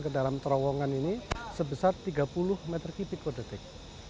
ke dalam terowongan ini sebesar tiga puluh meter kubik per detik